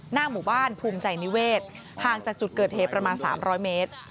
หน้าหมู่บ้านภูมิใจนิเวศห่างจากจุดเกิดเหตุประมาณ๓๐๐เมตร